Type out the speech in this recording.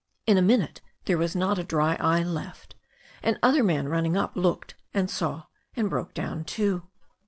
In a minute there was not a dry eye left, and other men running up looked and saw and broke down too.